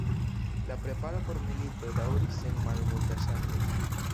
La preparo por milito daŭris sen malmulta ŝanĝo.